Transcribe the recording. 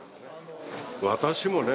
私もね